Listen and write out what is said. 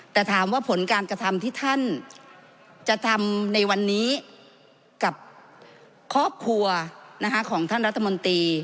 แต่ถามว่าผลการกระทำที่ท่านจะทำในวันนี้กับครอบครัวของท่านรัฐมนตรี